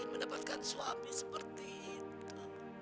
mendapatkan suami seperti itu